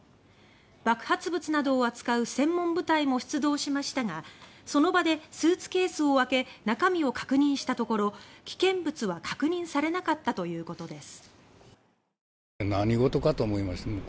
爆発物などを扱う専門部隊も出動しましたがその場でスーツケースを開け中身を確認したところ危険物は確認されなかったということです。